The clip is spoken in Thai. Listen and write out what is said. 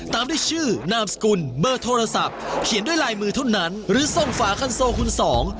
ตามด้วยชื่อนามสกุลเบอร์โทรศัพท์เขียนด้วยลายมือเท่านั้นหรือส่งฝาคันโซคุณสอง